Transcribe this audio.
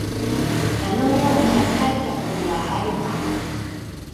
あの世を考えたことはあるか。